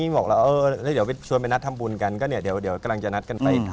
ไม่เจอแล้วก็จะทำบุญให้จะคิดให้